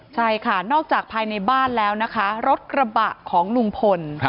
ใช่ค่ะนอกจากภายในบ้านแล้วนะคะรถกระบะของลุงพล